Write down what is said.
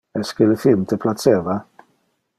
Esque le film te placeva.